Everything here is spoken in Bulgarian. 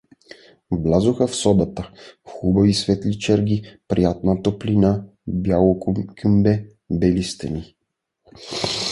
Влязоха в собата — хубави светли черги, приятна топлина, бяло кюмбе, бели стени.